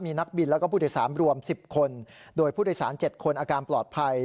มีนักบินและผู้โดยสารรวม๑๐คนโดยผู้โดยสาร๗คนอาการปลอดภัย